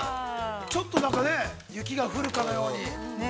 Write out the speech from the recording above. ◆ちょっとなんか、雪が降るかのように。